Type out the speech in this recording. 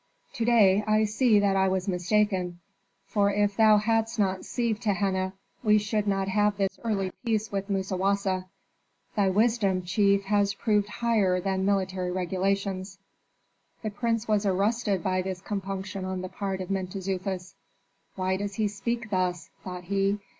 To day I see that I was mistaken, for if thou hadst not seized Tehenna we should not have this early peace with Musawasa. Thy wisdom, chief, has proved higher than military regulations." The prince was arrested by this compunction on the part of Mentezufis. "Why does he speak thus?" thought he.